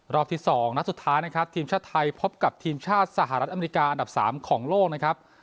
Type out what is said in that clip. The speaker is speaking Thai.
รอบที่๒นัดสุดท้ายนะครับทีมชาติไทยพบกับทีมชาติสหรัฐอเมริกาอันดับ๓ของโลกนะครับ